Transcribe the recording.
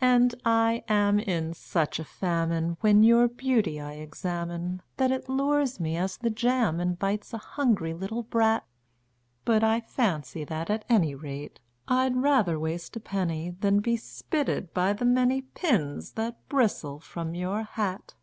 And I am in such a famine when your beauty I examine That it lures me as the jam invites a hungry little brat; But I fancy that, at any rate, I'd rather waste a penny Than be spitted by the many pins that bristle from your hat.